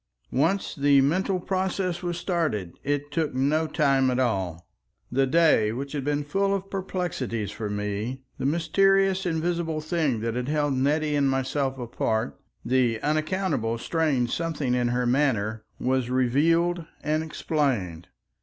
Once the mental process was started it took no time at all. The day which had been full of perplexities for me, the mysterious invisible thing that had held Nettie and myself apart, the unaccountable strange something in her manner, was revealed and explained.